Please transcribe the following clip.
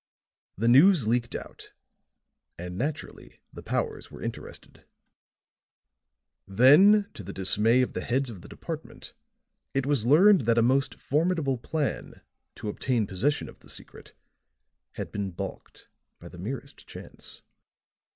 The news leaked out, and naturally the powers were interested. Then to the dismay of the heads of the department it was learned that a most formidable plan to obtain possession of the secret had been balked by the merest chance.